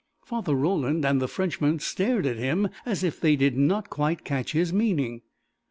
Father Roland and the Frenchman stared at him as if they did not quite catch his meaning.